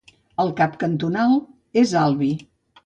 El cap cantonal és Albi.